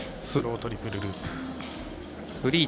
スロートリプルループ。